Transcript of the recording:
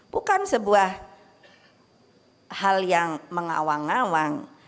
bukan sebuah hal yang mengawang awang